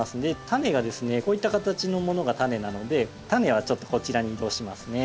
タネがですねこういった形のものがタネなのでタネはちょっとこちらに移動しますね。